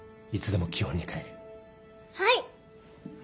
はい。